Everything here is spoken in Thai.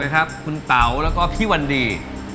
คุณเต๋าแล้วก็พี่วันดี